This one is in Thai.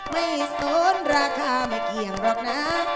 ไม่สนราคาไม่เกี่ยงหรอกนะ